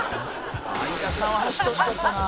相田さんは走ってほしかったな。